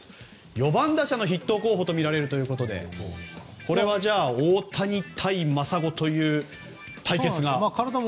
４番打者の筆頭候補とみられるということでこれは大谷対真砂という対決も？